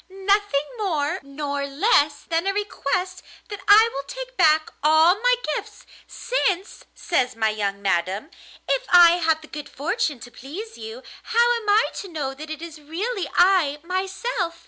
Nothing more nor less than a request that I will take back all my gifts "since," says my young madam, "if I have the good fortune to please you, how am I to know that it is really I, myself?